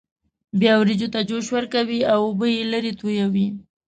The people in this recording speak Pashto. بیا وریجو ته جوش ورکوي او اوبه یې لرې تویوي.